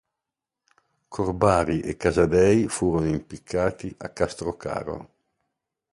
Corbari e Casadei furono impiccati a Castrocaro.